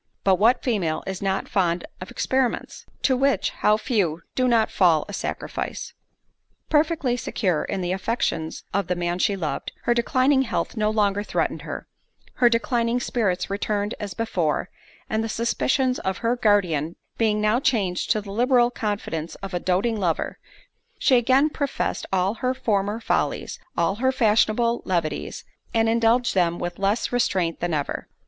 But what female is not fond of experiments? To which, how few do not fall a sacrifice! Perfectly secure in the affections of the man she loved, her declining health no longer threatened her; her declining spirits returned as before; and the suspicions of her guardian being now changed to the liberal confidence of a doting lover, she again professed all her former follies, all her fashionable levities, and indulged them with less restraint than ever.